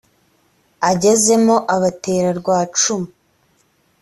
agezemo abatera rya cumu.